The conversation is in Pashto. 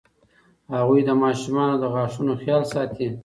هغوی د ماشومانو د غاښونو خیال ساتي.